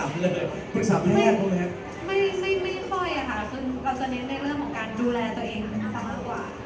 เราจะเน็ตในเรื่องของการดูแลตัวเองก็สามารถกว่า